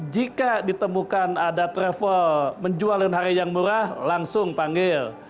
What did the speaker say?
jika ditemukan ada travel menjual yang murah langsung panggil